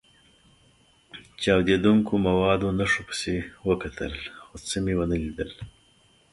چاودېدونکو موادو نښو پسې وکتل، خو څه مې و نه لیدل.